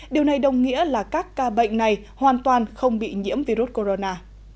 điều này đồng nghĩa là các ca bệnh này hoàn toàn không bị nhiễm virus corona